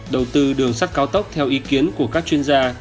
đầu tư đường sắt cao tốc theo ý kiến của các chuyên gia